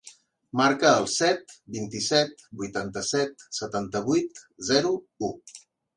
Marca el set, vint-i-set, vuitanta-set, setanta-vuit, zero, u.